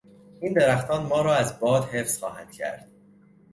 این درختان ما را از باد حفظ خواهند کرد.